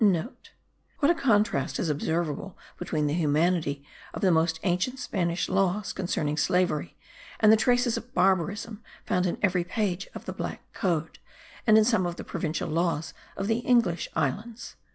*(* What a contrast is observable between the humanity of the most ancient Spanish laws concerning slavery, and the traces of barbarism found in every page of the Black Code and in some of the provincial laws of the English islands!